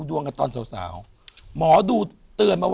วัย